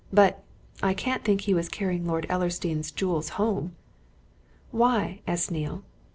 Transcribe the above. But I can't think he was carrying Lord Ellersdeane's jewels home!" "Why?" asked Neale.